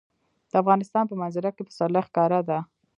د افغانستان په منظره کې پسرلی ښکاره ده.